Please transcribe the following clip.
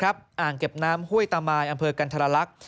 อ่างเก็บน้ำห้วยตามายอำเภอกันธรรลักษณ์